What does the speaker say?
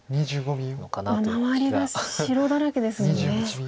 周りが白だらけですもんね。